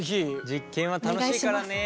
実験は楽しいからね。